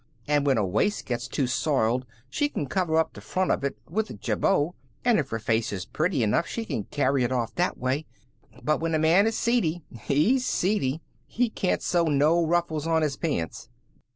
An' when her waist gets too soiled she can cover up the front of it with a jabot, an' if her face is pretty enough she can carry it off that way. But when a man is seedy, he's seedy. He can't sew no ruffles on his pants."